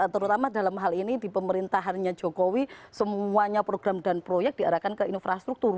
terutama dalam hal ini di pemerintahannya jokowi semuanya program dan proyek diarahkan ke infrastruktur